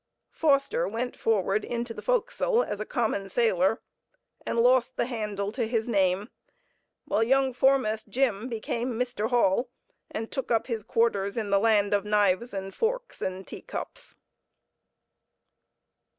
Foster went forward into the forecastle as a common sailor, and lost the handle to his name, while young foremast Jim became Mr. Hall, and took up his quarters in the land of knives and forks and tea cups.